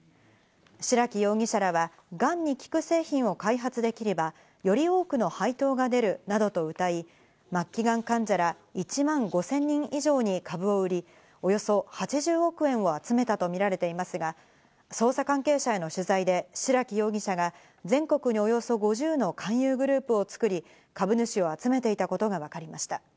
白木容疑者らは、ガンに効く製品を開発できればより多くの配当が出るなどとうたい、末期がん患者ら、１万５０００人以上に株を売り、およそ８０億円を集めたとみられていますが、捜査関係者への取材で白木容疑者が全国におよそ５０の勧誘グループを作り、株主を集めていたことがわかりました。